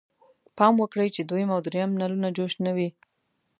پام وکړئ چې دویم او دریم نلونه جوش نه وي.